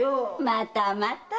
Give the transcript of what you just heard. またまた。